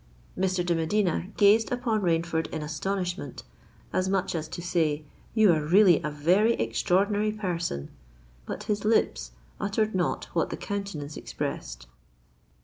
"—Mr. de Medina gazed upon Rainford in astonishment, as much as to say, "You are really a very extraordinary person!" But his lips uttered not what the countenance expressed.